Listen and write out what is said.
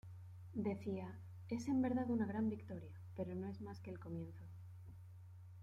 Decía: "Es en verdad una gran victoria, pero no es más que el comienzo.